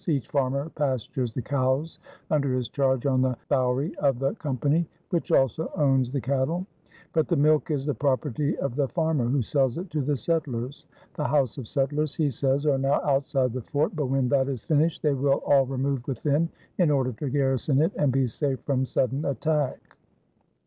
Each farmer pastures the cows under his charge on the bouwerie of the Company, which also owns the cattle; but the milk is the property of the farmer, who sells it to the settlers. "The houses of settlers," he says, "are now outside the fort; but when that is finished they will all remove within, in order to garrison it and be safe from sudden attack."